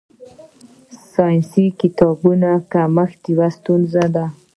د ساینسي کتابونو کمښت یوه ستونزه ده.